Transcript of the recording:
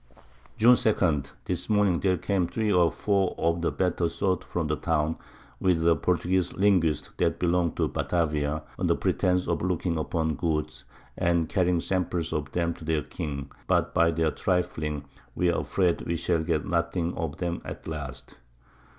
June 2. This Morning there came 3 or 4 of the better Sort from the Town, with a Portuguese Linguist that belong'd to Batavia, under Pretence of looking upon Goods, and carrying Samples of 'em to their King, but by their Trifling, we are afraid we shall get nothing of 'em at last.